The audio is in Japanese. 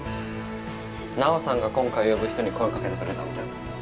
奈央さんが今回呼ぶ人に声かけてくれたんだよ。